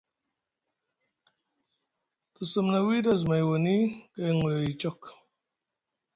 Te sumna wiɗi amay woni gay ŋoyay sok.